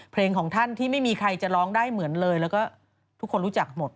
เพลงของท่านที่ไม่มีใครจะร้องได้เหมือนเลยแล้วก็ทุกคนรู้จักหมด